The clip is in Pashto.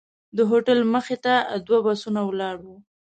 د هوټل مخې ته دوه بسونه ولاړ وو.